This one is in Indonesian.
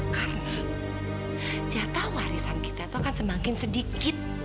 karena jatah warisan kita itu akan semakin sedikit